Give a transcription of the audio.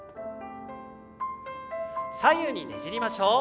左右にねじりましょう。